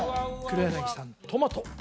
黒柳さん「トマト」